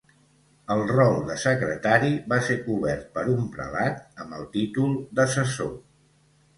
El rol de secretari va ser cobert per un prelat amb el títol d'assessor.